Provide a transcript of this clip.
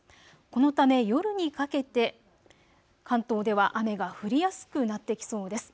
このため夜にかけて関東では雨が降りやすくなってきそうです。